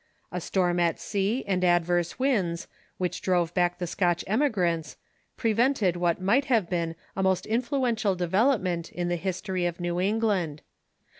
A storm at sea and adverse winds, which drove back the Scotch emigrants, prevented what might have been a most influential development in the history of New England.